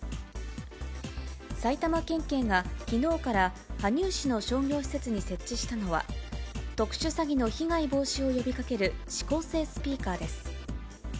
埼玉県警がきのうから羽生市の商業施設に設置したのは、特殊詐欺の被害防止を呼びかける指向性スピーカーです。